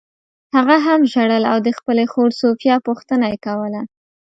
هغه هم ژړل او د خپلې خور سوفیا پوښتنه یې کوله